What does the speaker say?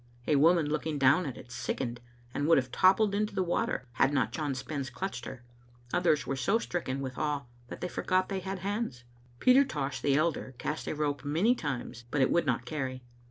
A woman, looking down at it, sickened, and would have toppled into the water, had not John Spens clutched her. Others were so stricken with awe that they forgot they had hands. Peter Tosh, the elder, cast a rope many times, but it would not carry.